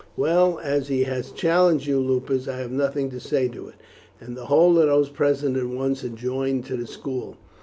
"Well, as he has challenged you, Lupus, I have nothing to say to it;" and the whole of those present at once adjourned to the school.